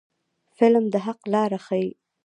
فلم د حق لاره ښيي